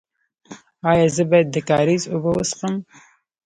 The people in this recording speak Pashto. ایا زه باید د کاریز اوبه وڅښم؟